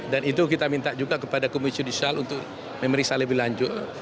dan itu kita minta juga kepada komisi judisial untuk memory saleh lebih lanjut